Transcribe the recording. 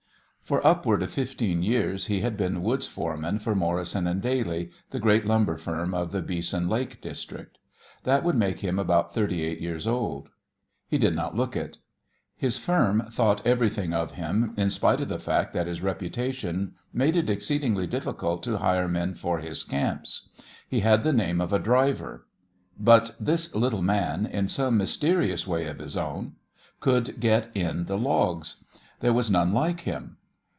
For upward of fifteen years he had been woods foreman for Morrison & Daly, the great lumber firm of the Beeson Lake district. That would make him about thirty eight years old. He did not look it. His firm thought everything of him in spite of the fact that his reputation made it exceedingly difficult to hire men for his camps. He had the name of a "driver." But this little man, in some mysterious way of his own, could get in the logs. There was none like him.